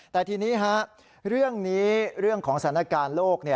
แต่ทีนี้เรื่องนี้เรื่องของสถานการณ์โลก